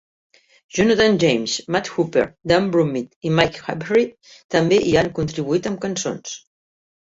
Jonathan James, Matt Hooper, Dan Brummitt i Mike Harvie també hi han contribuït amb cançons.